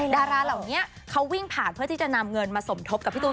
ดาราเหล่านี้เขาวิ่งผ่านเพื่อที่จะนำเงินมาสมทบกับพี่ตูน